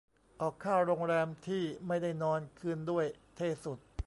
ออกค่าโรงแรมที่ไม่ได้นอนคืนด้วย เท่สุด